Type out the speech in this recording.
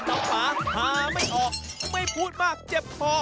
คนน้องฟ้าพาไม่ออกไม่พูดมากเจ็บพอ